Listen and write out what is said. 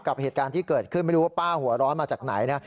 กับเหตุการณ์ที่เกิดขึ้นไม่รู้ว่าป้าหัวร้อนมาจากไหนนะ